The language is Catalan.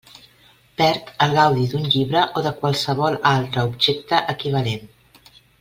Perd el gaudi d'un llibre o de qualsevol altre objecte equivalent.